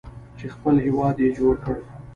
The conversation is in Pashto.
چې خپل هیواد یې جوړ کړ.